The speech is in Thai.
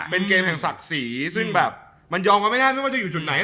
เป็นเกมแห่งศักดีสารสีซึ่งมันยอมกับไม่ง่ายดูว่ามันจะอยู่จุดไหน